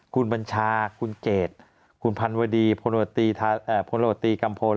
คุณบัญชาคุณเกดคุณพันวดีพลโรตีกัมพล